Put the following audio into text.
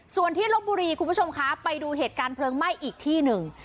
ส่วนที่ลบบุรีคุณผู้ชมคะไปดูเหตุการณ์เพลิงไหม้อีกที่หนึ่ง